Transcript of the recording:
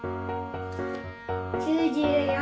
９４。